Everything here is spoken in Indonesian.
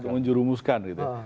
menjurumuskan gitu ya